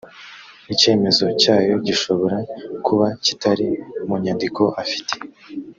icyemezo cyayo gishobora kuba kitari mu nyandiko afite